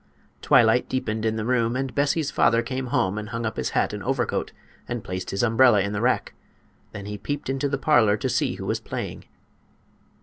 Twilight deepened in the room and Bessie's father came home and hung up his hat and overcoat and placed his umbrella in the rack. Then he peeped into the parlor to see who was playing.